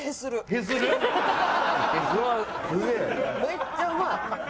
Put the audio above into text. めっちゃうまい！